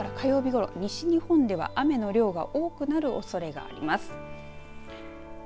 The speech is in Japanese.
また、月曜日から火曜日ごろ西日本では雨の量が多くなるおそれがあります。